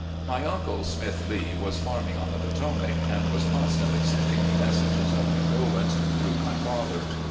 My uncle, Smith Lee, was farming on the Potomac, and was constantly sending me messages of condolence through my father.